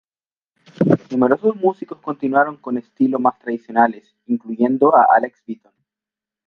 Numerosos músicos continuaron con estilos más tradicionales, incluyendo a Alex Beaton.